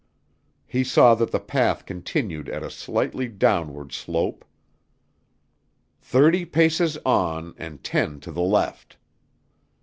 He saw that the path continued at a slightly downward slope. "Thirty paces on and ten to the left."